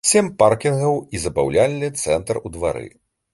Сем паркінгаў і забаўляльны цэнтр у двары.